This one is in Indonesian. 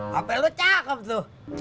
hp lu cakep tuh